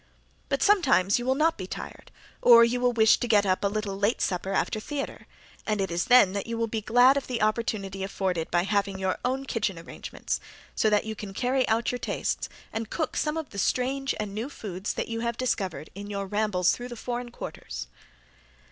But sometimes you will not be tired, or you will wish to get up a little late supper after theatre, and it is then that you will be glad of the opportunity afforded by having your own kitchen arrangements so that you can carry out your tastes, and cook some of the strange and new foods that you have discovered in your rambles through the foreign quarters.